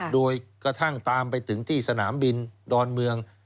โดยกระทั่งตามไปถึงที่สนามบินดอนเมือง